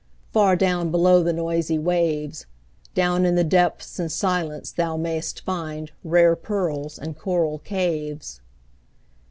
far down below the noisy waves, Down in the depths and silence thou mayst find Rare pearls and coral caves.